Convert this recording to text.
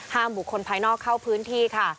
บุคคลภายนอกเข้าพื้นที่ค่ะ